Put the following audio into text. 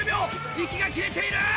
息が切れている！